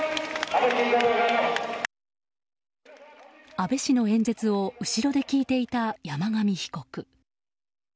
安倍氏の演説を後ろで聞いていた山上被告。